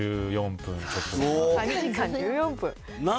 ３時間１４分。